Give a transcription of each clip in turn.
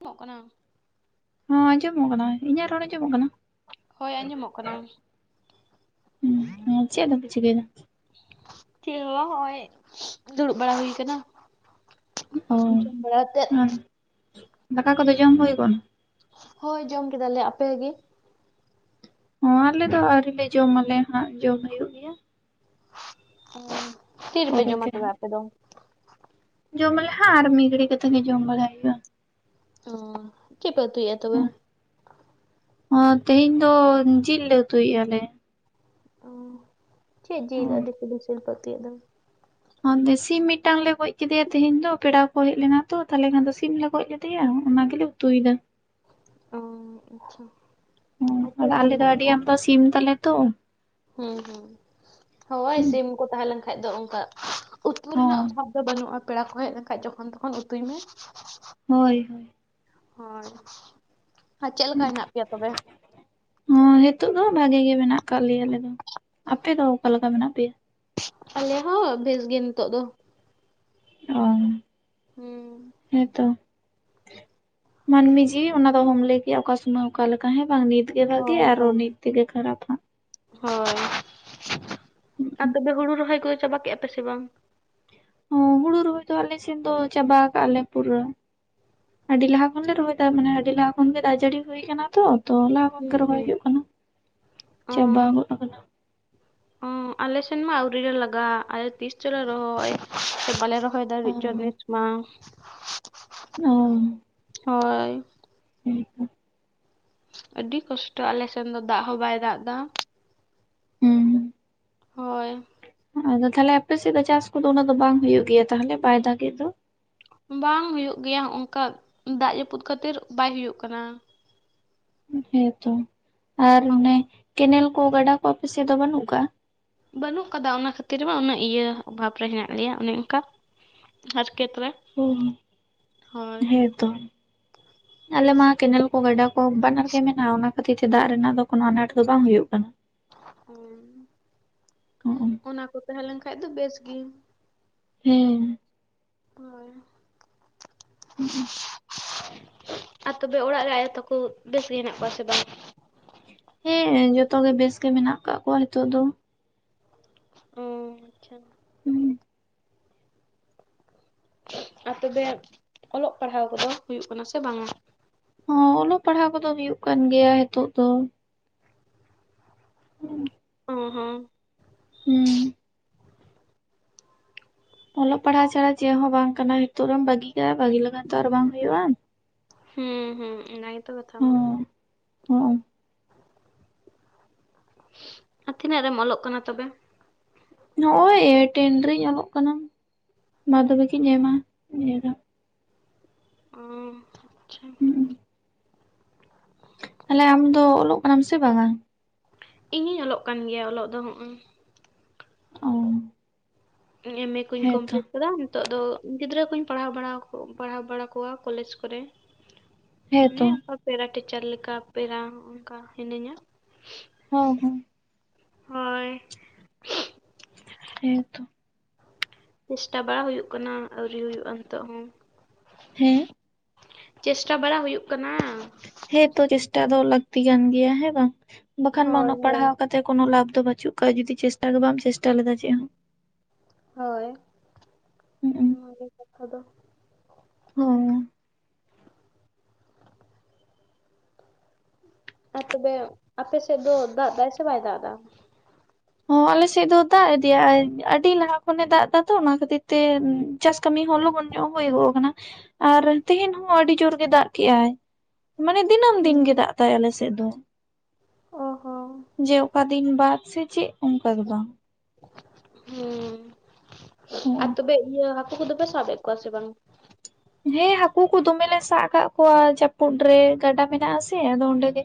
ᱟᱸᱡᱚᱢᱚᱜ ᱠᱟᱱᱟ, ᱦᱚᱸ ᱟᱸᱡᱚᱢᱚᱜ ᱠᱟᱱᱟ ᱤᱧᱟᱹᱜ ᱨᱚᱲᱮ ᱟᱸᱡᱚᱢᱚᱜ ᱠᱟᱱᱟ? ᱦᱳᱭ ᱟᱸᱡᱚᱢᱚᱜ ᱠᱟᱱᱟ ᱦᱮᱸ ᱪᱮᱫ ᱫᱚᱯᱮ ᱪᱤᱠᱟᱹᱭᱫᱟ? ᱪᱮᱫ ᱦᱚᱸ ᱵᱟᱝ ᱱᱚᱜᱼᱚᱭ ᱫᱩᱲᱩᱵ ᱵᱟᱲᱟ ᱦᱩᱭ ᱠᱟᱱᱟ, ᱚ ᱡᱚᱢ ᱵᱟᱲᱟ ᱠᱟᱛᱮᱫ ᱟᱨ ᱫᱟᱠᱟ ᱠᱚᱫᱚ ᱡᱚᱢ ᱦᱩᱭ ᱜᱚᱫ ᱱᱟ ᱦᱳᱭ ᱡᱚᱢ ᱠᱮᱫᱟᱞᱮ ᱟᱯᱮ ᱜᱮ? ᱚᱸ ᱟᱞᱮ ᱫᱚ ᱟᱹᱣᱨᱤ ᱞᱮ ᱡᱚᱢ ᱟᱞᱮ ᱦᱟᱸᱜ ᱡᱚᱢ ᱦᱩᱭᱩᱜ ᱜᱮᱭᱟ ᱚ ᱛᱤ ᱨᱮᱯᱮ ᱡᱚᱢᱟ ᱛᱚᱵᱮ ᱟᱯᱮ ᱫᱚ? ᱡᱚᱢ ᱟᱞᱮ ᱦᱮ ᱟᱨ ᱢᱤᱫ ᱜᱷᱟᱲᱤ ᱠᱟᱛᱮ ᱜᱮ ᱡᱚᱢ ᱵᱟᱲᱟᱟ ᱦᱩᱭᱩᱜᱼᱟ᱾ ᱚ ᱪᱮᱫ ᱯᱮ ᱩᱛᱩᱭᱮᱫ ᱟ ᱛᱚᱵᱮ? ᱦᱚᱸ ᱛᱮᱦᱮᱧ ᱫᱚ ᱡᱤᱞ ᱞᱮ ᱩᱛᱩᱭᱮᱫ ᱟᱞᱮ᱾ ᱚᱸᱻ ᱪᱮᱫ ᱡᱤᱞ ᱟᱹᱰᱤ ᱥᱤᱵᱤᱞ ᱥᱤᱵᱤᱞ ᱯᱮ ᱩᱛᱩᱭᱮᱫ ᱫᱚ ᱚᱱᱛᱮ ᱥᱤᱢ ᱢᱤᱫᱴᱟᱝ ᱞᱮ ᱜᱚᱡ ᱠᱮᱫᱮᱭᱟ ᱛᱤᱦᱤᱧ ᱫᱚ ᱯᱮᱲᱟ ᱠᱚ ᱦᱮᱡ ᱞᱮᱱᱟ ᱛᱚ ᱛᱟᱦᱞᱮ ᱠᱷᱟᱱ ᱫᱚ ᱥᱤᱢ ᱞᱮ ᱜᱚᱡ ᱠᱮᱫᱮᱭᱟ ᱚᱱᱟ ᱜᱮᱞᱮ ᱛᱩᱭ ᱫᱟ, ᱚᱸ ᱟᱪᱪᱷᱟ ᱦᱚᱸ ᱟᱨ ᱪᱮᱫ ᱟᱫᱚ ᱞᱮᱠᱟ ᱟᱞᱮ ᱫᱚ ᱢᱮᱱᱟᱜ ᱟᱹᱰᱤ ᱯᱮᱭᱟ? ᱟᱢᱫᱟ ᱥᱤᱢ ᱛᱟᱞᱮ ᱛᱚ, ᱦᱩᱸ ᱦᱩᱸ ᱦᱳᱭ ᱦᱚᱸ ᱥᱤᱢ ᱠᱚ ᱛᱟᱦᱮᱸ ᱞᱮᱱ ᱠᱷᱟᱱ ᱫᱚ ᱚᱱᱠᱟ ᱩᱛ ᱠᱚᱨᱮᱱᱟᱜ ᱚᱵᱷᱟᱵᱽ... ᱦᱳᱭ ᱫᱚ ᱵᱟᱹᱱᱩᱜᱼᱟ ᱯᱮᱲᱟ ᱠᱚ ᱦᱮᱡ ᱞᱮᱱᱠᱷᱟᱱ ᱡᱚᱠᱷᱚᱱ ᱛᱚᱠᱷᱚᱱ ᱩᱛᱩᱭ ᱢᱮ ᱦᱳᱭ ᱦᱳᱭ ᱦᱳᱭ ᱟᱨ ᱪᱮᱫ ᱞᱮᱠᱟ ᱦᱮᱱᱟᱜ ᱯᱮᱭᱟ ᱛᱚᱵᱮ ᱦᱚᱸᱭ ᱦᱤᱛᱚᱜ ᱫᱚ ᱵᱷᱟᱹᱜᱤ ᱜᱮ ᱢᱮᱱᱟᱜ ᱟᱠᱟᱫ ᱞᱮᱭᱟ ᱟᱞᱮ ᱫᱚ, ᱟᱯᱮ ᱫᱚ ᱚᱠᱟ ᱞᱮᱠᱟ ᱢᱮᱱᱟᱜ ᱯᱮᱭᱟ ᱟᱞᱮ ᱦᱚᱸ ᱵᱮᱥ ᱜᱮ ᱱᱤᱛᱚᱜ ᱫᱚ ᱚᱸ ᱦᱩᱸ ᱦᱮᱸᱛᱚ ᱢᱟᱹᱱᱢᱤ ᱡᱤᱣᱤ ᱚᱱᱟ ᱫᱚ ᱚᱦᱚᱢ ᱞᱟᱹᱭ ᱠᱮᱭᱟ ᱚᱠᱟ ᱥᱚᱢᱚᱭ ᱚᱠᱟ ᱞᱮᱠᱟ ᱦᱮᱸ ᱵᱟᱝ ᱱᱤᱛ ᱱᱤᱛ ᱜᱮ ᱵᱷᱟᱹᱜᱤᱭᱟ ᱦᱳᱭ ᱟᱨᱚ ᱦᱳᱭ ᱱᱤᱛ ᱛᱮᱜᱮ ᱠᱷᱟᱨᱟᱯ ᱦᱟᱸᱜ ᱦᱳᱭ ᱟᱨ ᱛᱚᱵᱮ ᱦᱩᱲᱩ ᱨᱚᱦᱚᱭ ᱠᱚᱫᱚ ᱪᱟᱵᱟ ᱠᱮᱜᱼᱟ ᱯᱮ ᱥᱮ ᱵᱟᱝ? ᱦᱚᱸ ᱦᱩᱲᱩ ᱨᱚᱦᱚᱭ ᱫᱚ ᱟᱞᱮ ᱥᱮᱫ ᱫᱚ ᱪᱟᱵᱟ ᱟᱠᱟᱜᱼᱟ ᱞᱮ ᱯᱩᱨᱟᱹ ᱟᱹᱰᱤ ᱞᱟᱦᱟ ᱠᱷᱚᱱᱞᱮ ᱨᱚᱦᱚᱭᱮᱫᱟ ᱢᱟᱱᱮ ᱟᱹᱰᱤ ᱞᱟᱦᱟ ᱠᱷᱚᱱᱜᱮ ᱫᱟᱜ ᱡᱟᱹᱲᱤ ᱦᱩᱭ ᱟᱠᱟᱱᱟ ᱛᱚ ᱛᱚ ᱚᱱᱟ [unintelligible] ᱨᱚᱦᱚᱭ ᱦᱩᱸ ᱦᱩᱸ ᱦᱩᱭᱩᱜ ᱠᱟᱱᱟ᱾ ᱪᱟᱵᱟ ᱜᱚᱫ ᱟᱠᱟᱱᱟ᱾ ᱦᱚᱸ ᱟᱞᱮᱥᱮᱱ ᱢᱟ ᱟᱹᱣᱨᱤ ᱞᱮ ᱞᱟᱜᱟᱜᱼᱟ ᱟᱞᱮ ᱛᱤᱥ ᱪᱚᱞᱮ ᱨᱚᱦᱚᱭ ᱥᱮ ᱵᱟᱞᱮ ᱨᱚᱦᱚᱭ ᱨᱚᱦᱚᱭ ᱚ ᱫᱟᱲᱮ ᱪᱚ ᱵᱮᱥ ᱢᱟ [inaudible] ᱚᱸ ᱦᱳᱭ [unintelligible] ᱟᱹᱰᱤ ᱠᱚᱥᱴᱚ ᱟᱞᱮᱥᱮᱱ ᱫᱚ ᱫᱟᱜ ᱦᱚᱸ ᱵᱟᱭ ᱫᱟᱜ ᱮᱫᱟ ᱾ ᱦᱩᱸ ᱦᱳᱭ ᱟᱫᱚ ᱛᱟᱦᱞᱮ ᱟᱯᱮᱥᱮᱫ ᱫᱚ ᱪᱟᱥ ᱠᱚᱫᱚ ᱩᱱᱟᱹᱜ ᱫᱚ ᱵᱟᱝ ᱦᱩᱭᱩᱜ ᱜᱮᱭᱟ ᱛᱟᱦᱞᱮ ᱵᱟᱭ ᱫᱟᱜᱮᱫ ᱫᱚ ᱵᱟᱝ ᱦᱩᱭᱩᱜ ᱜᱮᱭᱟ ᱚᱝᱠᱟ ᱫᱟᱜ ᱡᱟᱹᱯᱩᱫ ᱠᱷᱟᱹᱛᱤᱨ ᱵᱟᱭ ᱦᱩᱭᱩᱜ ᱠᱟᱱᱟ ᱾ ᱦᱮᱸᱛᱚ ᱟᱨ ᱚᱱᱮ ᱦᱳᱭ ᱠᱮᱱᱮᱞ ᱠᱚ ᱜᱟᱰᱟ ᱠᱚ ᱟᱯᱮᱥᱮᱫ ᱫᱚ ᱵᱟᱹᱱᱩᱜ ᱟᱠᱟᱜᱼᱟ᱾ ᱵᱟᱹᱱᱩᱜ ᱠᱟᱫᱟ ᱚᱱᱟ ᱠᱷᱟᱹᱛᱤᱨ ᱢᱟ ᱩᱱᱟᱹᱜ ᱤᱭᱟᱹ ᱚᱵᱷᱟᱵᱽ ᱨᱮ ᱦᱮᱱᱟᱜ ᱞᱮᱭᱟ ᱚᱱᱮ ᱚᱱᱠᱟ ᱟᱨ ᱠᱮᱛ ᱛᱚᱵᱮ ᱚᱸ ᱦᱮᱸ ᱛᱚ ᱟᱞᱮ ᱢᱟ ᱠᱮᱱᱮᱞ ᱠᱚ ᱜᱟᱰᱟ ᱠᱚ ᱵᱟᱱᱟᱨ ᱜᱮ ᱢᱮᱱᱟᱜᱼᱟ ᱚᱱᱟ ᱠᱷᱟᱹᱛᱤᱨ ᱛᱮ ᱫᱟᱜ ᱨᱮᱱᱟᱜ ᱫᱚ ᱠᱳᱱᱳ ᱟᱱᱟᱴ ᱫᱚ ᱵᱟᱝ ᱦᱩᱭᱩᱜ ᱠᱟᱱᱟ ᱾ ᱦᱩᱸ ᱚ ᱚᱱᱟ ᱠᱚ ᱛᱟᱦᱮᱸ ᱞᱮᱱ ᱠᱷᱟᱡ ᱫᱚ ᱵᱮᱥ ᱜᱮ ᱦᱮᱸ ᱦᱳᱭ ᱦᱩᱸ [inaudible] ᱟᱨ ᱛᱚᱵᱮ ᱚᱲᱟᱜ ᱨᱮ ᱟᱭᱳ ᱛᱟᱠᱚ ᱵᱮᱥ ᱜᱮ ᱦᱮᱱᱟᱜ ᱠᱚᱣᱟ ᱥᱮ ᱵᱟᱝ ᱦᱮᱸ ᱡᱚᱛᱚ ᱜᱮ ᱵᱮᱥ ᱜᱮ ᱢᱮᱱᱟᱜ ᱟᱠᱟᱫ ᱠᱚᱣᱟ ᱦᱤᱛᱚᱜ ᱫᱚ ᱚᱸ ᱟᱪᱪᱷᱟ ᱦᱩᱸ ᱟᱨ ᱛᱚᱵᱮ ᱚᱞᱚᱜ ᱯᱟᱲᱦᱟᱣ ᱠᱚᱫᱚ ᱦᱩᱭᱩᱜ ᱠᱟᱱᱟ ᱥᱮ ᱵᱟᱝᱼᱟ᱾ ᱦᱚᱸ ᱚᱞᱚᱜ ᱯᱟᱲᱦᱟᱣ ᱠᱚᱫᱚ ᱦᱩᱭᱩᱜ ᱠᱟᱱ ᱜᱮᱭᱟ ᱦᱤᱛᱚᱜ ᱫᱚ ᱦᱩᱸ [inaudible] ᱠᱚ ᱦᱚᱸ ᱦᱩᱸ᱾ ᱚᱞᱚᱜ ᱯᱟᱲᱦᱟᱜ ᱪᱷᱟᱲᱟ ᱪᱮᱫ ᱦᱚᱸ ᱵᱟᱝ ᱠᱟᱱᱟ ᱱᱤᱛᱚᱜ ᱨᱮᱢ ᱵᱟᱹᱜᱤ ᱠᱟᱜᱼᱟ ᱵᱟᱹᱜᱤ ᱞᱟᱜᱟᱱ ᱛᱚ ᱟᱨ ᱵᱟᱝ ᱦᱳᱭᱩᱜᱼᱟ ᱾ ᱦᱩᱸ ᱦᱩᱸ ᱚᱱᱟ ᱜᱮᱛᱚ ᱠᱟᱛᱷᱟ ᱢᱟ ᱦᱚᱸ ᱾ ᱟᱨ ᱛᱤᱱᱟᱹᱜ ᱨᱮᱢ ᱚᱞᱚᱜ ᱠᱟᱱᱟ ᱛᱚᱵᱮ? ᱱᱚᱜ ᱚᱭ ᱴᱮᱱ ᱨᱮᱧ ᱚᱞᱚᱜ ᱠᱟᱱᱟ ᱢᱟᱫᱽᱫᱷᱚᱢᱤᱠ ᱤᱧ ᱮᱢᱟ ᱱᱤᱭᱟᱹ ᱫᱷᱟᱣ᱾ ᱚ ᱟᱪᱪᱷᱟ᱾ ᱦᱩᱸ ᱛᱟᱦᱚᱞᱮ ᱟᱢ ᱫᱚ ᱚᱞᱚᱜ ᱠᱟᱱᱟᱢ ᱥᱮ ᱵᱟᱝᱼᱟ? ᱤᱧ ᱦᱩᱧ ᱚᱞᱚᱜ ᱠᱟᱱ ᱜᱮᱭᱟ ᱚᱞᱚᱜ ᱫᱚ ᱦᱚᱜᱼᱚᱭ ᱾ ᱚ᱾ ᱮᱢ ᱮ ᱠᱩᱧ ᱦᱮᱸᱛᱚ ᱠᱚᱢᱯᱞᱤᱴ ᱠᱟᱫᱟ ᱾ ᱱᱤᱛᱚᱜ ᱫᱚ ᱜᱤᱫᱽᱨᱟᱹ ᱠᱚᱧ ᱯᱟᱲᱦᱟᱣ ᱵᱟᱲᱟ ᱯᱟᱲᱦᱟᱣ ᱵᱟᱲᱟ ᱠᱚᱣᱟ ᱠᱚᱞᱮᱡᱽ ᱠᱚᱨᱮ᱾ ᱚᱱᱮ ᱦᱮᱸᱛᱚ ᱚᱱᱠᱟ ᱯᱮᱨᱟ ᱴᱤᱪᱟᱨ ᱞᱮᱠᱟ ᱯᱮᱨᱟ ᱚᱱᱠᱟ ᱦᱤᱱᱟᱹᱧᱟ᱾ ᱦᱭ ᱦᱳᱭ᱾ ᱦᱳᱭ᱾ ᱦᱮᱸ ᱛᱚ᱾ ᱪᱮᱥᱴᱟ ᱵᱟᱲᱟ ᱦᱩᱭᱩᱜ ᱠᱟᱱᱟ ᱟᱹᱣᱨᱤ ᱦᱩᱭᱩᱜᱼᱟ ᱱᱤᱛᱚᱜ ᱦᱚᱸ᱾ ᱦᱮᱸ ᱪᱮᱥᱴᱟ ᱵᱟᱲᱟ ᱦᱩᱭᱩᱜ ᱠᱟᱱᱟ᱾ ᱦᱮᱸᱛᱚ ᱪᱮᱥᱴᱟ ᱫᱚ ᱞᱟᱹᱠᱛᱤ ᱠᱟᱱ ᱜᱮᱭᱟ ᱦᱮᱸ ᱵᱟᱝ ᱵᱟᱠᱷᱟᱱ ᱢᱟ ᱦᱳᱭ ᱩᱱᱟᱹᱜ ᱦᱳᱭ ᱯᱟᱲᱦᱟᱣ ᱠᱟ ᱛᱮ ᱠᱚᱱᱚ ᱞᱟᱵᱷ ᱫᱚ ᱵᱟᱹᱪᱩᱜ ᱠᱟᱜᱼᱟ ᱡᱩᱫᱤ ᱪᱮᱥᱴᱟ ᱜᱮ ᱵᱟᱢ ᱪᱮᱥᱴᱟ ᱞᱮᱫᱟ ᱪᱮᱫ ᱦᱚᱸ᱾ ᱦᱳᱭ ᱦᱩᱸᱜ-ᱩᱸ ᱚᱱᱟ ᱜᱮ ᱠᱟᱛᱷᱟ ᱫᱚ᱾ ᱦᱳᱭ᱾ ᱟᱨ ᱛᱚᱵᱮ ᱟᱯᱮ ᱥᱮᱫ ᱫᱚ ᱫᱟᱜ ᱫᱟᱭ ᱥᱮ ᱵᱟᱭ ᱫᱟᱜ ᱫᱟ? ᱦᱚᱸ ᱟᱞᱮ ᱥᱮᱫ ᱫᱚ ᱫᱟᱜ ᱤᱫᱤᱮᱟᱭ ᱟᱹᱰᱤ ᱞᱟᱦᱟ ᱠᱷᱚᱱᱮ ᱫᱟᱜ ᱮᱫᱟ ᱛᱚ ᱚᱱᱟ ᱠᱷᱟᱹᱛᱤᱨ ᱛᱮ ᱪᱟᱥ ᱠᱟᱹᱢᱤ ᱦᱚᱸ ᱞᱚᱜᱚᱱ ᱧᱚᱜ ᱦᱳᱭ ᱜᱚᱜ ᱠᱟᱱᱟ᱾ ᱟᱨ ᱛᱮᱦᱤᱧ ᱦᱚᱸ ᱟᱹᱰᱤ ᱡᱳᱨ ᱜᱮ ᱫᱟᱜ ᱠᱮᱜᱼᱟᱭ ᱢᱟᱱᱮ ᱫᱤᱱᱟᱹᱢ ᱫᱤᱱ ᱦᱩᱸ ᱜᱮᱭ ᱫᱟᱜ ᱮᱫᱟᱭ ᱟᱞᱮ ᱥᱮᱫ ᱫᱚ ᱚ ᱦᱚᱸ ᱡᱮ ᱚᱠᱟ ᱫᱤᱱ ᱵᱟᱫ ᱥᱮ ᱪᱮᱫ ᱚᱱᱠᱟ ᱫᱚ ᱵᱟᱝ᱾ ᱦᱩᱸ ᱟᱨ ᱦᱚᱸ ᱛᱚᱵᱮ ᱤᱭᱟᱹ ᱦᱟᱹᱠᱩ ᱠᱚᱫᱚ ᱯᱮ ᱥᱟᱵᱮᱫ ᱠᱚᱣᱟ ᱥᱮ ᱵᱟᱝ? ᱦᱮᱸ ᱦᱟᱹᱠᱩ ᱠᱚ ᱫᱚᱢ ᱞᱮ ᱥᱟᱵ ᱟᱠᱟᱫ ᱠᱚᱣᱟ ᱡᱟᱹᱯᱩᱫ ᱨᱮ ᱜᱟᱰᱟ ᱢᱮᱱᱟᱜ ᱟᱥᱮ ᱟᱫᱚ ᱚᱸᱰᱮ ᱜᱮ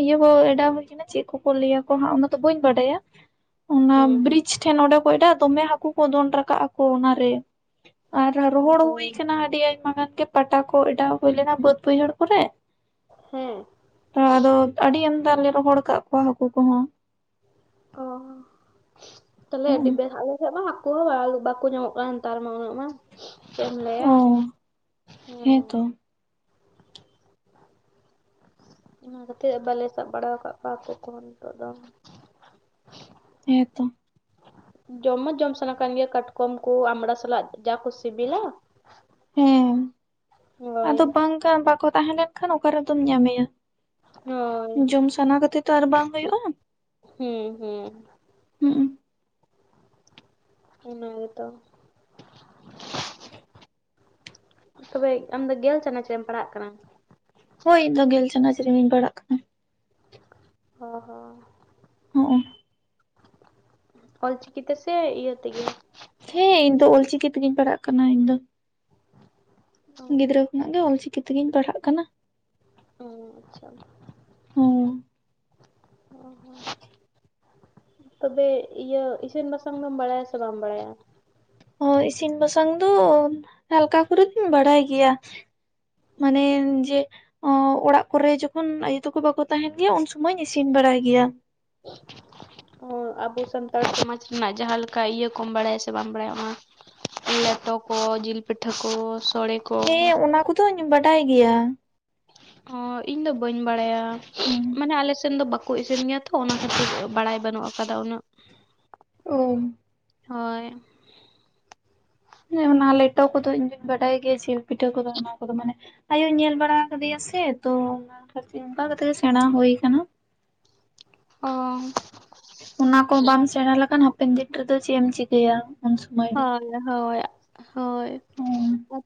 ᱤᱭᱟᱹ ᱠᱚ ᱮᱰᱟᱣ ᱦᱩᱭ ᱟᱠᱟᱱᱟ ᱪᱮᱫ ᱠᱚᱠᱚ ᱞᱟᱹᱭᱟᱠᱚ ᱦᱟᱸᱜ ᱚᱱᱟ ᱫᱚ ᱵᱟᱹᱧ ᱵᱟᱰᱟᱭᱟ᱾ ᱚᱱᱟ ᱦᱩᱸ ᱵᱤᱨᱤᱪ ᱴᱷᱮᱱ ᱚᱸᱰᱮ ᱠᱚ ᱮᱰᱟᱣᱟ ᱫᱚᱢᱮ ᱦᱟᱹᱠᱩ ᱠᱚ ᱫᱚᱱ ᱨᱟᱠᱟᱵ ᱟᱠᱚ ᱚᱱᱟᱨᱮ᱾ ᱟᱨ ᱨᱚᱦᱚᱲ ᱦᱩᱭ ᱠᱟᱱᱟ ᱟᱹᱰᱤ ᱟᱭᱢᱟ ᱜᱟᱱ ᱜᱮ ᱯᱟᱴᱟ ᱠᱚ ᱮᱰᱟᱣ ᱦᱳᱭ ᱞᱮᱱᱟ ᱵᱟᱹᱫ ᱵᱟᱹᱭᱦᱟᱹᱲ ᱠᱚᱨᱮ᱾ ᱦᱮᱸ᱾ ᱛᱚ ᱟᱫᱚ ᱟᱹᱰᱤ ᱟᱢᱫᱟ ᱞᱮ ᱨᱚᱦᱚᱲ ᱟᱠᱟᱫ ᱠᱚᱣᱟ ᱦᱟᱹᱠᱳ ᱠᱚᱦᱚᱸ᱾ ᱚ ᱛᱟᱦᱚᱞᱮ ᱟᱹᱰᱤ ᱵᱮᱦᱟᱜᱮ᱾ ᱢᱟ ᱦᱟᱹᱠᱩ ᱦᱚᱸ ᱵᱟᱠᱚ ᱧᱟᱢᱚᱜ ᱠᱟᱱ ᱱᱮᱛᱟᱨ ᱢᱟ ᱩᱱᱟᱹᱜ ᱢᱟ᱾ ᱪᱮᱫ ᱮᱢ ᱞᱟᱭᱟ, ᱚ ᱦᱮᱸ᱾ ᱦᱮᱸᱛᱚ ᱚᱱᱟ ᱠᱷᱟᱹᱛᱤᱨ ᱵᱟᱞᱮ ᱥᱟᱵ ᱵᱟᱲᱟ ᱠᱟᱜ ᱠᱚᱣᱟ ᱦᱟᱹᱠᱳ ᱠᱚᱦᱚᱸ ᱱᱤᱛᱚᱜ ᱫᱚ᱾ ᱦᱮᱛᱚ᱾ ᱡᱚᱢ ᱢᱟ ᱡᱚᱢ ᱥᱟᱱᱟ ᱠᱟᱱ ᱜᱮᱭᱟ ᱠᱟᱴᱠᱚᱢ ᱠᱚ ᱟᱢᱲᱟ ᱥᱟᱞᱟᱜ ᱡᱟ ᱠᱚ ᱥᱮᱵᱤᱞᱟ᱾ ᱦᱮᱸ ᱟᱫᱚ ᱵᱟᱝ ᱵᱟᱠᱚ ᱛᱟᱦᱮᱸ ᱞᱮᱱᱠᱷᱟᱱ ᱚᱠᱟᱨᱮᱫᱚᱢ ᱧᱟᱢᱮᱭᱟ᱾ ᱦᱳᱭ ᱡᱚᱢ ᱥᱟᱱᱟ ᱠᱟᱛᱮ ᱛᱚ ᱟᱨ ᱵᱟᱝ ᱦᱳᱭᱳᱜᱼᱟ᱾ ᱦᱮᱸ ᱦᱩᱸ᱾ ᱦᱩᱸ᱾ ᱚᱱᱟ ᱜᱮᱛᱚ ᱛᱚᱵᱮ ᱟᱢᱫᱚ ᱜᱮᱞ ᱪᱟᱱᱟᱪ ᱨᱮᱢ ᱯᱟᱲᱦᱟᱜ ᱠᱟᱱᱟ ᱦᱳᱭ ᱤᱧ ᱫᱚ ᱜᱮᱞ ᱪᱟᱱᱟᱪ ᱨᱤᱜᱤᱧ ᱯᱟᱲᱟᱜ ᱠᱟᱱᱟ ᱦᱚᱸ ᱦᱚ [unintelligible] ᱚᱞᱪᱤᱠᱤ ᱛᱮ ᱥᱮ ᱤᱭᱟᱹ ᱛᱮᱜᱮ ᱦᱮᱸ ᱤᱧ ᱫᱚ ᱚᱞ ᱪᱤᱠᱤ ᱛᱮᱜᱮᱧ ᱯᱟᱲᱦᱟᱜ ᱠᱟᱱᱟ ᱤᱧ ᱫᱚ ᱜᱤᱫᱽᱨᱟᱹ ᱠᱷᱚᱱᱟᱜ ᱜᱮ ᱚᱞᱪᱤᱠᱤ ᱛᱮᱜᱤᱧ ᱯᱟᱲᱦᱟᱜ ᱠᱟᱱᱟ ᱚ ᱟᱪᱪᱷᱟ ᱦᱩᱸ ᱦᱚᱸ ᱦᱚᱸ ᱛᱚᱵᱮ ᱤᱭᱟᱹ ᱤᱥᱤᱱ ᱵᱟᱥᱟᱝ ᱫᱚᱢ ᱵᱟᱲᱟᱭᱟ ᱥᱮ ᱵᱟᱢ ᱵᱟᱲᱟᱭᱟ ᱚ ᱤᱥᱤᱱ ᱵᱟᱥᱟᱝ ᱫᱚ ᱦᱟᱞᱠᱟ ᱠᱚᱨᱮ ᱫᱩᱧ ᱵᱟᱲᱟᱭ ᱜᱮᱭᱟ ᱢᱟᱱᱮ ᱡᱮ ᱚᱸ ᱚᱲᱟᱜ ᱠᱚᱨᱮ ᱡᱚᱠᱷᱚᱱ ᱟᱭᱩ ᱛᱟᱠᱚ ᱵᱟᱠᱚ ᱛᱟᱦᱮᱱ ᱜᱮᱭᱟ ᱩᱱ ᱥᱩᱢᱚᱭ ᱤᱧ ᱤᱥᱤᱱ ᱵᱟᱲᱟᱭ ᱜᱮᱭᱟ [unintelligible] ᱚ ᱟᱵᱚ ᱥᱟᱱᱛᱟᱲ ᱥᱚᱢᱟᱡᱽ ᱨᱮᱱᱟᱜ ᱡᱟᱦᱟᱸ ᱞᱮᱠᱟ ᱤᱭᱟᱹ ᱠᱚᱢ ᱵᱟᱲᱟᱭᱟ ᱥᱮ ᱵᱟᱢ ᱵᱟᱲᱟᱭᱟ ᱚᱱᱟ ᱞᱮᱴᱚ ᱠᱚ ᱡᱤᱞ ᱯᱤᱴᱷᱟᱹ ᱠᱚ ᱥᱚᱲᱮ ᱠᱚ ᱦᱮᱸ ᱚᱱᱟ ᱠᱚᱫᱚᱧ ᱵᱟᱰᱟᱭ ᱜᱮᱭᱟ ᱚ ᱤᱧ ᱫᱚ ᱵᱟᱹᱧ ᱵᱟᱲᱟᱭᱟ ᱢᱟᱱᱮ ᱟᱞᱮ ᱥᱮᱱ ᱫᱚ ᱵᱟ ᱠᱚ ᱤᱥᱤᱱ ᱜᱮᱭᱟ ᱛᱚ ᱚᱱᱟ ᱠᱷᱟᱹᱛᱤᱨ ᱵᱟᱲᱟᱭ ᱵᱟᱹᱱᱩᱜ ᱟᱠᱟᱫᱟ ᱩᱱᱟᱹᱜ ᱚᱸ ᱦᱳᱭ ᱦᱮᱸ ᱚᱱᱟ ᱞᱮᱴᱚ ᱠᱚᱫᱚ ᱤᱧ‌ ᱫᱚᱧ ᱵᱟᱰᱟᱭ ᱜᱮᱭᱟ ᱡᱤᱞ ᱯᱤᱴᱷᱟᱹ ᱠᱚᱫᱚ ᱚᱱᱟ ᱠᱚᱫᱚ ᱢᱟᱱᱮ ᱟᱭᱳᱭ ᱧᱮᱞ ᱵᱟᱲᱟ ᱟᱠᱟᱫᱮᱭᱟ ᱥᱮ ᱛᱚ ᱚᱱᱟ ᱠᱷᱟᱹ ᱚᱱᱠᱟ ᱠᱟᱛᱮᱜ ᱥᱮᱬᱟ ᱦᱩᱭ ᱟᱠᱟᱱᱟ [inaudible] ᱚ ᱚᱱᱟ ᱠᱚ ᱵᱟᱢ ᱥᱮᱬᱟ ᱞᱮᱠᱷᱟᱱ ᱦᱟᱯᱮᱱ ᱫᱤᱱ ᱨᱮᱫᱚ ᱪᱮᱫ ᱮᱢ ᱪᱤᱠᱟᱹᱭᱟ ᱩᱱ ᱥᱚᱢᱚᱭ ᱫᱚ [inaudible] ᱦᱳᱭ ᱦᱳᱭ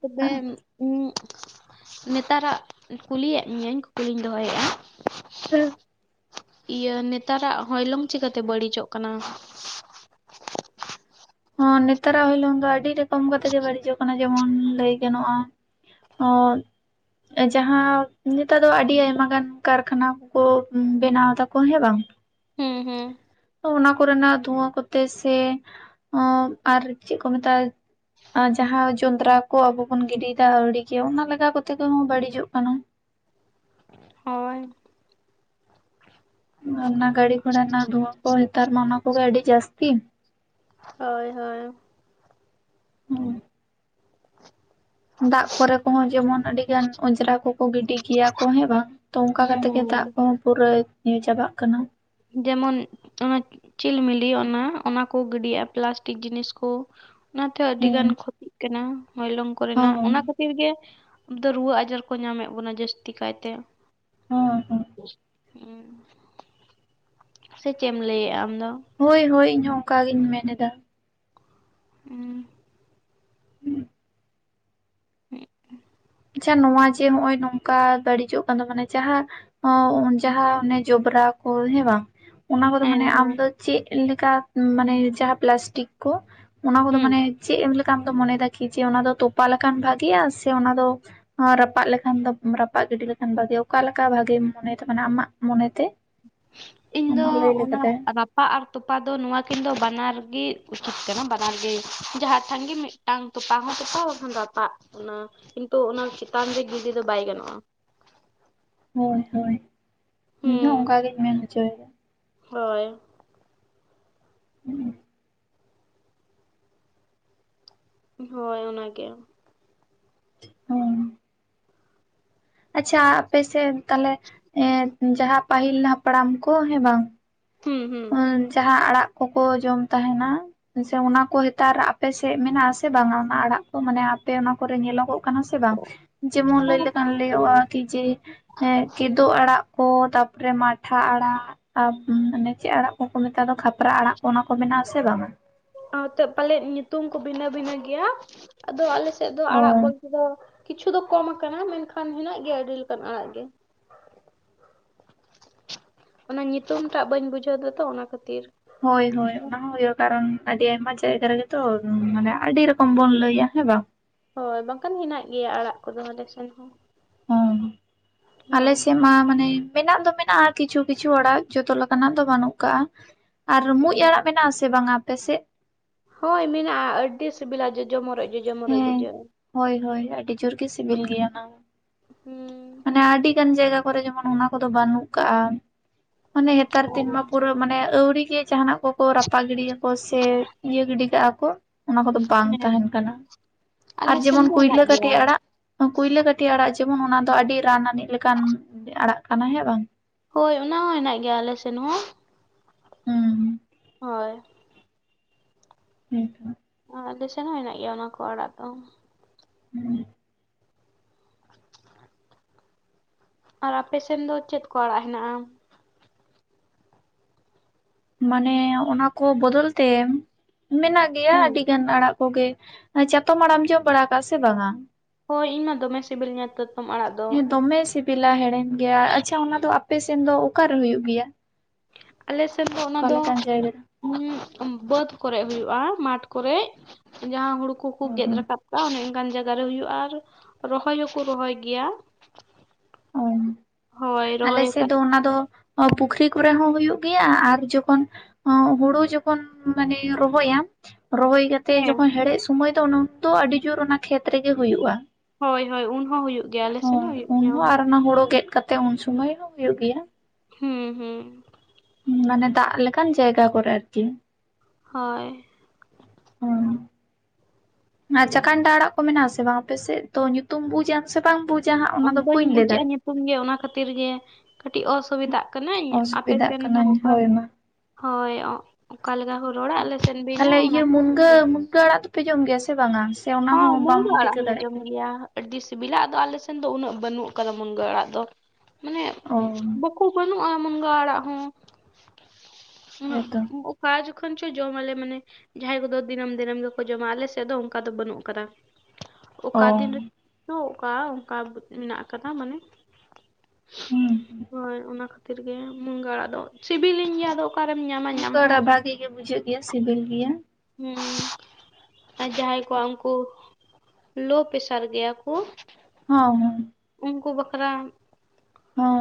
ᱛᱚᱵᱮ ᱩᱸ ᱱᱮᱛᱟᱨᱟᱜ ᱠᱩᱞᱤᱭᱮᱫ ᱢᱤᱟᱹᱧ ᱠᱩᱠᱞᱤᱧ ᱫᱚᱦᱚᱭᱮᱫᱼᱟ ᱦᱮᱸ ᱤᱭᱟᱹ ᱱᱮᱛᱟᱨᱟᱜ ᱦᱚᱭᱞᱚᱝ ᱪᱤᱠᱟᱹᱛᱮ ᱵᱟᱹᱲᱤᱡᱚᱜ ᱠᱟᱱᱟ ᱦᱚᱸ ᱱᱮᱛᱟᱨᱟᱜ ᱦᱳᱭᱞᱚᱝ ᱫᱚ ᱟᱹᱰᱤ ᱨᱚᱠᱚᱢ ᱠᱟᱛᱮ ᱜᱮ ᱵᱟᱹᱲᱤᱡᱚᱜ ᱠᱟᱱᱟ ᱡᱮᱢᱚᱱ ᱞᱟᱹᱭ ᱜᱟᱱᱚᱜᱼᱟ ᱚ ᱡᱟᱦᱟᱸ ᱱᱮᱛᱟᱨ ᱫᱚ ᱟᱹᱰᱤ ᱟᱭᱢᱟ ᱜᱟᱱ ᱠᱟᱨᱠᱷᱟᱱᱟ ᱠᱚ ᱵᱮᱱᱟᱣ ᱫᱟᱠᱚ ᱦᱮᱸ ᱵᱟᱝ ᱦᱩᱸ ᱦᱩᱸ ᱛᱚ ᱚᱱᱟ ᱠᱚᱨᱮᱱᱟᱜ ᱫᱷᱩᱣᱟᱹ ᱠᱚᱛᱮ ᱥᱮ ᱚᱸ ᱟᱨ ᱪᱮᱫ ᱠᱚ ᱢᱮᱛᱟᱜᱼᱟ ᱡᱟᱦᱟᱸ ᱡᱚᱱᱫᱨᱟ ᱠᱚ ᱟᱵᱚ ᱵᱚᱱ ᱜᱤᱰᱤ ᱫᱟ ᱟᱹᱣᱲᱤ ᱜᱤ ᱚᱱᱟ ᱞᱮᱠᱟ ᱠᱟᱛᱮ ᱦᱚᱸ ᱵᱟᱹᱲᱤᱡᱚᱜ ᱠᱟᱱᱟ ᱦᱳᱭ ᱚᱱᱟ ᱜᱟᱹᱰᱤ ᱜᱷᱚᱨᱟ ᱨᱮᱱᱟᱜ ᱫᱷᱩᱣᱟᱹ ᱠᱚ ᱱᱮᱛᱟᱨ ᱢᱟ ᱚᱱᱟ ᱠᱚᱜᱮ ᱟᱹᱰᱤ ᱡᱟᱥᱛᱤ ᱦᱳᱭ ᱦᱳᱭ ᱦᱩᱸ ᱫᱟᱜ ᱠᱚᱨᱮ ᱠᱚᱦᱚᱸ ᱡᱮᱢᱚᱱ ᱟᱹᱰᱤ ᱜᱟᱱ ᱚᱸᱡᱽᱨᱟ ᱠᱚᱠᱚ ᱜᱤᱰᱤ ᱜᱮᱭᱟ ᱠᱚ ᱦᱮᱸ ᱵᱟᱝ ᱛᱚᱝᱠᱟ ᱠᱟᱛᱮᱜ ᱜᱮ ᱫᱟᱜ ᱦᱩᱸ ᱠᱚᱦᱚᱸ ᱯᱩᱨᱟᱹ ᱧᱩ ᱪᱟᱵᱟᱜ ᱠᱟᱱᱟ ᱡᱮᱢᱚᱱ ᱟᱸᱪ ᱪᱤᱞᱢᱤᱞᱤ ᱚᱱᱟ ᱚᱱᱟ ᱠᱚ ᱜᱤᱰᱟᱜ-ᱟ ᱯᱞᱟᱥᱴᱤᱠ ᱡᱤᱱᱤᱥ ᱠᱚ, ᱚᱱᱟᱛᱮᱦᱚᱸ ᱟᱹᱰᱤ ᱜᱟᱱ ᱦᱮᱸ ᱠᱷᱚᱛᱤᱜ ᱠᱟᱱᱟ ᱦᱚᱭᱞᱚᱝ ᱠᱚᱨᱮᱱᱟᱜ ᱦᱚᱸ ᱚᱱᱟ ᱠᱚ ᱠᱷᱟᱛᱤᱨ ᱜᱮ ᱫᱚ ᱨᱩᱣᱟᱹ ᱟᱡᱟᱨ ᱠᱚ ᱧᱟᱢᱮᱫ ᱵᱚᱱᱟ ᱡᱟᱹᱥᱛᱤ ᱠᱟᱭᱛᱮ᱾ ᱦᱩᱸ ᱦᱩᱸ ᱦᱮᱸ ᱥᱮ ᱪᱮᱫ ᱮᱢ ᱞᱟᱹᱭᱮᱜ-ᱟ ᱟᱢᱫᱚ? ᱦᱳᱭ ᱦᱳᱭ ᱤᱧᱦᱚᱸ ᱚᱱᱠᱟᱜᱤᱧ ᱢᱮᱱᱮᱫᱟ᱾ [unintelligible] [unintelligible] ᱟᱪᱪᱷᱟ ᱱᱚᱣᱟ ᱡᱮ ᱱᱚ-ᱚᱭ ᱱᱚᱝᱠᱟ ᱵᱟᱹᱲᱤᱡᱚᱜ ᱠᱟᱱ ᱫᱚ ᱢᱟᱱᱮ ᱡᱟᱦᱟᱸ ᱚ ᱡᱟᱦᱟᱸ ᱟᱱᱮ ᱡᱚᱵᱽᱨᱟ ᱠᱚ ᱦᱮ ᱵᱟᱝ ᱚᱱᱟ ᱠᱚᱫᱚ ᱦᱮᱸ ᱢᱟᱱᱮ ᱟᱢᱫᱚ ᱪᱮᱫ ᱞᱮᱠᱟ ᱢᱟᱱᱮ ᱡᱟᱦᱟᱸ ᱯᱞᱟᱥᱴᱤᱠ ᱠᱚ ᱚᱱᱟ ᱠᱚᱫᱚ ᱦᱩᱸ ᱢᱟᱱᱮ ᱪᱮᱫ ᱮᱢ ᱞᱮᱠᱟ ᱟᱢ ᱫᱚ ᱢᱚᱱᱮᱭᱮᱫᱟ ᱠᱤ ᱡᱮ ᱚᱱᱟ ᱫᱚ ᱛᱚᱯᱟ ᱞᱮᱠᱷᱟᱱ ᱵᱷᱟᱜᱮᱤᱭᱟ ᱥᱮ ᱚᱱᱟ ᱫᱚ ᱨᱟᱯᱟᱜ ᱞᱮᱠᱷᱟᱱ ᱫᱚ ᱨᱟᱯᱟᱜ ᱜᱤᱰᱤ ᱞᱮᱠᱷᱟᱱ ᱵᱷᱟᱜᱤ ᱚᱠᱟᱞᱮᱠᱟ ᱵᱷᱟᱜᱤᱢ ᱢᱚᱱᱮ ᱛᱟᱵᱩᱱᱟ ᱢᱟᱱᱮ ᱟᱢᱟᱜ ᱢᱚᱱᱮᱛᱮ? ᱤᱧ ᱫᱚ ᱟᱢᱟᱜ ᱞᱟᱹᱭ ᱚᱱᱟ ᱞᱮᱠᱟᱛᱮ ᱨᱟᱯ ᱨᱟᱯᱟᱜ ᱟᱨ ᱛᱚᱯᱟ ᱫᱚ ᱱᱚᱣᱟ ᱠᱤᱱ ᱫᱚ ᱵᱟᱱᱟᱨ ᱜᱤ ᱩᱪᱤᱛ ᱠᱟᱱᱟ ᱵᱟᱱᱟᱨ ᱜᱮ ᱡᱟᱦᱟᱸ ᱴᱷᱟᱝ ᱜᱮ ᱢᱤᱫᱴᱟᱝ ᱛᱚᱯᱟ ᱦᱚᱸ ᱛᱚᱯᱟ ᱵᱟᱠᱷᱟᱱ ᱨᱟᱯᱟᱜ ᱚᱱᱟ ᱠᱤᱱᱛᱩ ᱚᱱᱟ ᱪᱮᱛᱟᱱ ᱨᱮ ᱜᱤᱰᱤ ᱫᱚ ᱵᱟᱭ ᱜᱟᱱᱚᱜ-ᱟ᱾ ᱦᱳᱭ ᱦᱳᱭ ᱤᱧᱦᱚᱸ ᱦᱩᱸ ᱚᱱᱠᱟᱟᱜᱤᱧ ᱢᱮᱱ ᱦᱚᱪᱚᱭᱮᱫᱟ᱾ ᱦᱳᱭ᱾ [unintelligible] ᱦᱳᱭ ᱚᱱᱟᱜᱮ, ᱦᱩᱸ ᱟᱪᱪᱷᱟ ᱟᱯᱮ ᱥᱮᱫ ᱛᱟᱦᱚᱞᱮ ᱮᱸ ᱡᱟᱦᱟᱸ ᱯᱟᱹᱦᱤᱞ ᱦᱟᱯᱲᱟᱢ ᱠᱚ ᱦᱮᱸ ᱵᱟᱝ ᱦᱩᱸ ᱦᱩᱸ ᱡᱟᱦᱟᱸ ᱟᱲᱟᱜ ᱠᱚᱠᱚ ᱡᱚᱢ ᱛᱟᱦᱮᱱᱟ ᱟᱪᱷᱟ ᱚᱱᱟ ᱠᱚ ᱱᱮᱛᱟᱨ ᱟᱯᱮ ᱥᱮᱫ ᱢᱮᱱᱟᱜ-ᱟ ᱥᱮ ᱵᱟᱝᱟ ᱚᱱᱟ ᱟᱲᱟᱜ ᱠᱚ ᱢᱟᱱᱮ ᱟᱯᱮ ᱚᱱᱟ ᱠᱚᱨᱮ ᱧᱮᱞᱚᱜᱚᱜ ᱠᱟᱱᱟ ᱥᱮ ᱵᱟᱝ ᱡᱮᱢᱚᱱ ᱚᱱᱟ ᱞᱟᱹᱭ ᱞᱮᱠᱷᱟᱱ ᱢᱮᱱᱟᱜ ᱜᱮᱭᱟ ᱞᱟᱹᱭᱚᱜ-ᱟ ᱠᱤ ᱡᱮ ᱦᱮᱸ ᱠᱮᱫᱳ ᱟᱲᱟᱜ ᱠᱚ ᱛᱟᱯᱚᱨᱮ ᱢᱟᱴᱷᱟ ᱟᱲᱟᱜ ᱟᱨ ᱢᱟᱱᱮ ᱪᱮᱫ ᱟᱲᱟᱜ ᱠᱚᱠᱚ ᱢᱮᱛᱟᱜ ᱫᱚ ᱠᱷᱟᱯᱨᱟ ᱟᱲᱟᱜ ᱠᱚ ᱚᱱᱟ ᱠᱚ ᱢᱮᱱᱟᱜ ᱟᱥᱮ ᱵᱟᱝᱟ? ᱦᱚᱛᱮ ᱯᱟᱞᱮᱫ ᱧᱩᱛᱩᱢ ᱠᱚ ᱵᱷᱤᱱᱟᱹ ᱵᱷᱤᱱᱟᱹ ᱜᱮᱭᱟ ᱟᱫᱚ ᱟᱞᱮ ᱥᱮᱫ ᱫᱚ ᱚ ᱟᱲᱟᱜ ᱵᱚᱞ ᱛᱮ ᱫᱚ ᱠᱤᱪᱷᱩ ᱫᱚ ᱠᱚᱢ ᱟᱠᱟᱱᱟ ᱢᱮᱱᱠᱷᱟᱱ ᱦᱮᱱᱟᱜ ᱜᱮᱭᱟ ᱟᱹᱰᱤ ᱞᱮᱠᱟᱱ ᱟᱲᱟᱜ ᱜᱮ, ᱚᱱᱟ ᱧᱩᱛᱩᱢ ᱴᱟᱜ ᱵᱟᱹᱧ ᱵᱩᱡᱷᱟᱹᱣ ᱫᱟᱛᱚ ᱚᱱᱟ ᱠᱷᱟᱹᱛᱤᱨ, ᱦᱳᱭ ᱦᱳᱭ ᱚᱱᱟ ᱦᱚᱸ ᱦᱩᱭᱩᱜ-ᱟ ᱠᱟᱨᱚᱱ ᱟᱹᱰᱤ ᱟᱭᱢᱟ ᱡᱟᱭᱜᱟ ᱨᱮᱜᱮᱛᱚ ᱢᱟᱱᱮ ᱟᱹᱰᱤ ᱨᱚᱠᱚᱢ ᱵᱚᱱ ᱞᱟᱹᱭᱟ ᱦᱮᱸ ᱵᱟᱝ, ᱦᱳᱭ ᱵᱟᱝᱠᱷᱟᱱ ᱦᱮᱱᱟᱜ ᱜᱮᱭᱟ ᱟᱲᱟᱜ ᱠᱚᱫᱚ ᱟᱞᱮ ᱥᱮᱱ ᱦᱚᱸ, ᱦᱩᱸ ᱟᱞᱮ ᱦᱳᱭ ᱥᱮᱫ ᱢᱟ ᱢᱟᱱᱮ ᱢᱮᱱᱟᱜ ᱫᱚ ᱢᱮᱱᱟᱜ-ᱟ ᱠᱤᱪᱷᱩ ᱠᱤᱪᱷᱩ ᱟᱲᱟᱜ ᱡᱚᱛᱚ ᱞᱮᱠᱟᱱᱟᱜ ᱫᱚ ᱵᱟᱹᱱᱩᱜ ᱠᱟᱜ-ᱟ᱾ ᱟᱨ ᱢᱩᱡ ᱟᱲᱟᱜ ᱢᱮᱱᱟᱜ-ᱟ ᱥᱮ ᱵᱟᱝᱟ ᱟᱯᱮ ᱥᱮᱫ? ᱦᱳᱭ ᱢᱮᱱᱟᱜ-ᱟ ᱟᱹᱰᱤ ᱥᱤᱵᱤᱞᱟ ᱡᱚᱡᱚ ᱢᱚᱨᱚᱡ ᱡᱚᱡᱚ ᱢᱚᱨᱚᱡ ᱦᱮᱸ ᱵᱩᱡᱷᱟᱹᱜ-ᱟ᱾ ᱦᱳᱭ ᱦᱳᱭ ᱟᱹᱰᱤ ᱡᱳᱨ ᱜᱮ ᱥᱤᱵᱤᱞ ᱜᱮᱭᱟ ᱚᱱᱟ, ᱦᱩᱸᱻ ᱢᱟᱱᱮ ᱟᱹᱰᱤ ᱜᱟᱱ ᱡᱟᱭᱜᱟ ᱠᱚᱨᱮ ᱡᱮᱢᱚᱱ ᱚᱱᱟ ᱠᱚᱫᱚ ᱵᱟᱹᱱᱩᱜ ᱠᱟᱜ-ᱟ ᱢᱟᱱᱮ ᱱᱮᱛᱟᱨ ᱫᱤᱱ ᱢᱟ ᱯᱩᱨᱟᱹ ᱢᱟᱱᱮ ᱟᱹᱣᱲᱤ ᱜᱮ ᱡᱟᱦᱱᱟᱜ ᱠᱚ ᱠᱚ ᱨᱟᱯᱟᱜ ᱜᱤᱰᱤᱭᱟ ᱠᱚ ᱥᱮ ᱤᱭᱟᱹ ᱜᱤᱰᱤ ᱠᱟᱜ-ᱟ ᱠᱚ, ᱚᱱᱟ ᱠᱚᱫᱚ ᱵᱟᱝ ᱦᱮᱸ ᱛᱟᱦᱮᱱ ᱠᱟᱱᱟ ᱟᱨ ᱟᱞᱮ ᱥᱮᱱ ᱡᱮᱢᱚᱱ ᱫᱚ ᱠᱩᱭᱞᱟᱹ ᱦᱮᱱᱟᱜ ᱠᱟᱹᱴᱤ ᱜᱮᱭᱟ ᱟᱲᱟᱜ ᱠᱩᱭᱞᱟᱹ ᱠᱟᱹᱴᱤᱡ ᱟᱲᱟᱜ ᱡᱮᱢᱚᱱ ᱚᱱᱟ ᱫᱚ ᱟᱹᱰᱤ ᱨᱟᱱ ᱟᱹᱱᱤᱡ ᱞᱮᱠᱟᱱ ᱟᱲᱟᱜ ᱠᱟᱱᱟ ᱦᱮᱸ ᱵᱟᱝ, ᱦᱳᱭ ᱚᱱᱟ ᱦᱚᱸ ᱦᱮᱱᱟᱜ ᱜᱮᱭᱟ ᱟᱞᱮ ᱥᱮᱱ ᱦᱚᱸᱼᱼ ᱦᱩᱸ ᱦᱳᱭ ᱦᱩᱸ ᱦᱩᱸ ᱟᱨ ᱟᱞᱮ ᱥᱮᱱ ᱦᱚᱸ ᱦᱮᱱᱟᱜ ᱜᱮᱭᱟ ᱚᱱᱟ ᱠᱚ ᱟᱲᱟᱜ ᱫᱚ ᱦᱩᱸ [unintelligible] ᱟᱨ ᱟᱯᱮ ᱥᱮᱱ ᱫᱚ ᱪᱮᱫ ᱠᱚ ᱟᱲᱟᱜ ᱦᱮᱱᱟᱜᱼᱟ? ᱢᱟᱱᱮ ᱚᱱᱟ ᱠᱚ ᱵᱚᱫᱚᱞ ᱛᱮ ᱢᱮᱱᱟᱜ ᱜᱮᱭᱟ ᱦᱩᱸ ᱟᱹᱰᱤ ᱜᱟᱱ ᱟᱲᱟᱜ ᱠᱚ ᱜᱮ ᱪᱟᱛᱚᱢ ᱟᱲᱟᱜ-ᱮᱢ ᱡᱚᱢ ᱵᱟᱲᱟ ᱟᱠᱟᱜᱼᱟ ᱥᱮ ᱵᱟᱝᱟ ᱦᱳᱭ ᱤᱧ ᱢᱟ ᱫᱚᱢᱮ ᱥᱤᱵᱤᱞᱤᱧᱟ ᱛᱮᱛᱚᱢ ᱟᱲᱟᱜ ᱫᱚ ᱦᱮᱸ ᱫᱚᱢᱮ ᱥᱤᱵᱤᱞᱟ ᱦᱮᱲᱮᱢ ᱜᱮᱭᱟ ᱟᱪᱪᱷᱟ ᱚᱱᱟ ᱫᱚ ᱟᱯᱮ ᱥᱮᱱ ᱫᱚ ᱚᱠᱟ ᱨᱮ ᱦᱩᱭᱩᱜ ᱜᱮᱭᱟ? ᱟᱞᱮ ᱥᱮᱫ ᱫᱚ ᱚᱱᱟ ᱚᱠᱟ ᱫᱚ ᱞᱮᱠᱟᱱ ᱡᱟᱭᱜᱟ ᱨᱮ? ᱦᱩᱸ ᱵᱟᱹᱫ ᱠᱚᱨᱮ ᱦᱩᱭᱩᱜᱼᱟ ᱢᱟᱴ ᱠᱚᱨᱮ ᱡᱟᱦᱟᱸ ᱦᱩᱲᱩ ᱠᱩᱠᱩ ᱚ ᱜᱮᱫ ᱦᱚᱸ ᱨᱟᱠᱟᱵᱼᱼ ᱚᱱᱮ ᱚᱱᱠᱟᱱ ᱡᱟᱭᱜᱟ ᱨᱮ ᱦᱩᱭᱩᱜᱼᱟ ᱟᱨ ᱨᱚᱦᱚᱭ ᱦᱚᱸᱠᱚ ᱨᱚᱦᱚᱭ ᱜᱮᱭᱟ ᱚ ᱦᱳᱭ ᱟᱞᱮ ᱨᱚᱦᱚᱭ ᱥᱮᱫ ᱟᱠᱟᱫ ᱫᱚ ᱚᱱᱟ ᱫᱚ ᱯᱩᱠᱷᱨᱤ ᱠᱚᱨᱮ ᱦᱚᱸ ᱦᱩᱭᱩᱜ ᱜᱮᱭᱟ ᱟᱨ ᱡᱚᱠᱷᱚᱱ ᱦᱚᱸ ᱦᱩᱲᱩ ᱡᱚᱠᱷᱚᱱ ᱢᱟᱱᱮ ᱨᱚᱦᱚᱭᱟᱢ ᱨᱚᱦᱚᱭ ᱠᱟᱛᱮ ᱛᱮ ᱦᱮᱸ ᱡᱚᱠᱷᱚᱱ ᱦᱮᱲᱦᱮᱫ ᱥᱚᱢᱚᱭ ᱫᱚ ᱩᱱ ᱚᱠᱛᱚ ᱫᱚ ᱟᱹᱰᱤ ᱡᱳᱨ ᱚᱱᱟ ᱠᱷᱮᱛ ᱨᱮᱜᱮ ᱦᱩᱭᱩᱜ-ᱟ ᱾ ᱦᱳᱭ ᱦᱳᱭ ᱩᱱ ᱦᱚᱸ ᱦᱩᱭᱩᱜ ᱜᱮᱭᱟ ᱟᱞᱮ ᱥᱮᱱ ᱦᱚᱸ ᱦᱩᱭᱩᱜ ᱩᱱ ᱜᱮᱭᱟ ᱦᱚᱸ ᱟᱨ ᱾ ᱚᱱᱟ ᱦᱳᱲᱳ ᱜᱮᱫ ᱠᱟᱛᱮᱜ ᱩᱱ ᱥᱚᱢᱚᱭ ᱦᱚᱸ ᱦᱩᱭᱩᱜ ᱜᱮᱭᱟ ᱾ ᱦᱩᱸ ᱦᱩᱸ ᱾ ᱢᱟᱱᱮ ᱫᱟᱜ ᱞᱮᱠᱟᱱ ᱡᱟᱭᱜᱟ ᱠᱚ ᱨᱮ ᱟᱨᱠᱤ ᱾ ᱦᱳᱭ ᱾ ᱦᱩᱸ ᱟᱨ ᱪᱟᱠᱟᱱᱰᱟ ᱟᱲᱟᱜ ᱠᱚ ᱢᱮᱱᱟᱜ ᱟᱥᱮ ᱵᱟᱝ ᱟᱯᱮ ᱥᱮᱫ ᱛᱚ ᱧᱩᱛᱩᱢ ᱵᱩᱡ ᱟ ᱥᱮ ᱵᱟᱝ ᱵᱩᱡᱟ ᱦᱟᱸᱜ ᱚᱱᱟ ᱟᱢ ᱫᱚ ᱵᱟᱹᱧ ᱞᱟᱹᱭ ᱵᱩᱡᱮᱜᱼᱟ ᱫᱟᱲᱮᱭᱟᱜᱼᱟ ᱧᱩᱛᱩᱢ ᱜᱮ ᱚᱱᱟ ᱠᱷᱟᱹᱛᱤᱨ ᱜᱮ ᱠᱟᱹᱴᱤᱡ ᱚᱥᱩᱵᱤᱫᱷᱟᱜ ᱠᱟᱹᱱᱟᱹᱧ ᱟᱯᱮ ᱚᱥᱩᱵᱤᱫᱷᱟᱜ ᱥᱮᱱ ᱢᱟ ᱠᱟᱹᱱᱟᱹᱧ ᱚᱠᱟᱼᱼ ᱦᱳᱭ ᱢᱟ ᱦᱳᱭ ᱚᱠᱟ ᱞᱮᱠᱟ ᱠᱚ ᱨᱚᱲᱟᱜ ᱟᱞᱮ ᱥᱮᱱ ᱵᱤᱱᱟ ᱚᱱᱟ ᱠᱷᱟᱹᱛᱤᱨ ᱜᱮᱼᱼ ᱯᱮ ᱡᱚᱢ ᱜᱮᱭᱟ ᱥᱮ ᱵᱟᱝᱟ ᱚᱱᱟ ᱦᱚᱸ ᱵᱟᱢ ᱢᱩᱱᱜᱟᱹ ᱟᱲᱟᱜ ᱴᱷᱤᱠᱟᱹ ᱦᱚᱞᱮ ᱫᱟᱲᱮᱭᱟᱜ ᱡᱚᱢ ᱠᱟᱱᱟ ᱜᱮᱭᱟ ᱟᱹᱰᱤ ᱥᱤᱵᱤᱞᱟ ᱟᱫᱚ ᱟᱞᱮ ᱥᱮᱱ ᱫᱚ ᱩᱱᱟᱹᱜ ᱵᱟᱹᱱᱩᱜ ᱠᱟᱫᱟ ᱢᱩᱱᱜᱟᱹ ᱟᱲᱟᱜ ᱫᱚ ᱢᱟᱱᱮᱼᱼ ᱚ ᱠᱩ ᱵᱟᱹᱱᱩᱜᱼᱟ ᱢᱩᱸᱱᱜᱟ ᱟᱲᱟᱜ ᱦᱚᱸᱼᱼ ᱦᱮᱸᱛᱚ ᱠᱟ ᱡᱩᱠᱷᱚᱱ ᱪᱚ ᱡᱚᱢᱟᱞᱮ ᱢᱟᱱᱮ ᱡᱟᱦᱟᱸᱭ ᱠᱚᱫᱚ ᱫᱤᱱᱟᱹᱢ ᱫᱤᱱᱟᱢ ᱜᱮᱠᱚ ᱡᱚᱢᱟ ᱟᱞᱮ ᱥᱮᱫ ᱫᱚ ᱚᱱᱠᱟᱼᱼ ᱫᱚ ᱵᱟᱹᱱᱩᱜ ᱟᱠᱟᱫᱟ ᱚ ᱚᱠᱟ ᱫᱤᱱ ᱨᱮᱼᱼ ᱛᱚ ᱚᱠᱟ ᱚᱱᱠᱟ ᱢᱮᱱᱟᱜ ᱟᱠᱟᱫᱟ ᱢᱟᱱᱮ ᱦᱩᱸ ᱦᱳᱭ ᱚᱱᱟ ᱠᱷᱟᱹᱛᱤᱨ ᱜᱮ ᱢᱩᱱᱜᱟᱹ ᱟᱲᱟᱜ ᱫᱚ ᱥᱤᱵᱤᱞᱤᱧ ᱜᱮᱭᱟ ᱟᱫᱚ ᱚᱠᱟᱨᱮᱢ ᱧᱟᱢᱟ ᱧᱟᱢ ᱦᱚᱸ ᱵᱷᱟᱹᱜᱤ ᱜᱮ ᱵᱩᱡᱷᱟᱹᱜ ᱜᱮ ᱥᱤᱵᱤᱞ ᱜᱮᱭᱟ ᱦᱩᱸ ᱟᱨ ᱡᱟᱦᱟᱸᱭ ᱠᱚᱣᱟᱜ ᱩᱱᱠᱩ ᱞᱳ ᱯᱮᱥᱟᱨ ᱜᱮᱭᱟ ᱠᱚ ᱦᱩᱸ ᱦᱩᱸ ᱩᱱᱠᱩ ᱵᱟᱠᱷᱨᱟ ᱦᱩᱸ